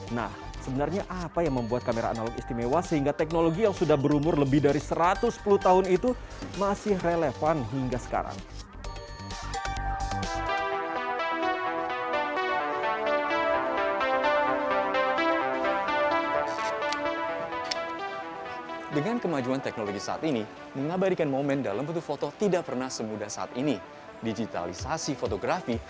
nah sebenarnya apa yang membuat kamera analog istimewa sehingga teknologi yang sudah berumur lebih dari satu ratus sepuluh tahun itu masih relevan hingga sekarang